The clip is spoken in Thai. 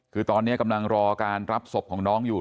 คือตอนนี้กำลังรอการรับศพของน้องอยู่